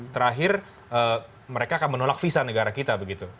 terakhir mereka akan menolak visa negara kita begitu